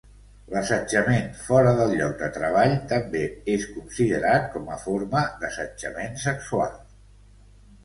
L'assetjament fora del lloc de treball també és considerat com a forma d'assetjament sexual.